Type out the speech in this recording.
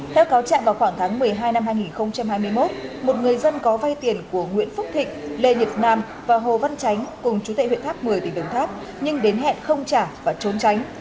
theo cáo trạng vào khoảng tháng một mươi hai năm hai nghìn hai mươi một một người dân có vay tiền của nguyễn phúc thịnh lê nhật nam và hồ văn chánh cùng chú tệ huyện tháp một mươi tỉnh đồng tháp nhưng đến hẹn không trả và trốn tránh